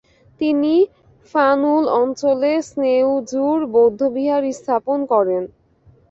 তিনি 'ফান-য়ুল অঞ্চলে স্নে'উ-জুর বৌদ্ধবিহার স্থাপন করেন।